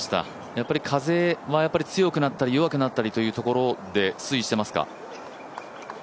やっぱり風は強くなったり弱くなったりというところで推移してますか。